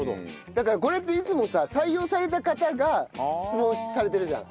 だからこれっていつもさ採用された方が質問されてるじゃん。